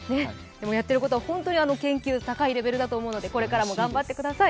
やっていることは、本当に研究、高いレベルだと思うので、これからも頑張ってください。